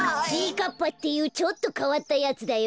かっぱっていうちょっとかわったやつだよ。